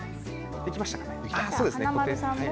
できましたか。